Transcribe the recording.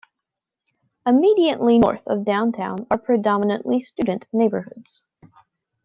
Immediately north of downtown are predominantly student neighborhoods.